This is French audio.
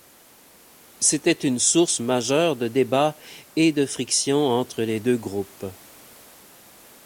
C’était une source majeure de débat et de friction entre les deux groupes.